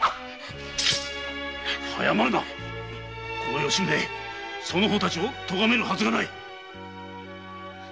早まるなこの吉宗そなたたちをとがめるはずがない。